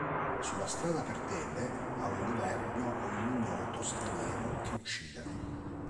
Sulla strada per Tebe ha un diverbio con un ignoto straniero che uccide.